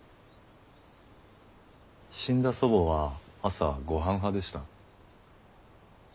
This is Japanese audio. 死んだ祖母は朝ごはん派でした。